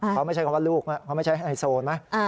เขาไม่ใช่คำว่าลูกนะเขาไม่ใช่ในโซนไหม